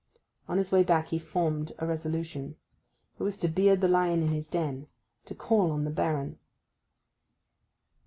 On his way back he formed a resolution. It was to beard the lion in his den—to call on the Baron.